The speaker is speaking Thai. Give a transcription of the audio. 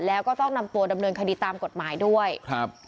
แล้วก็ต้องนำตัวดำเนินคดีตามกฎหมายด้วยครับ